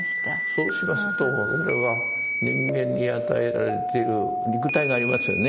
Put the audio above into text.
そうしますとそれは人間に与えられている肉体がありますよね。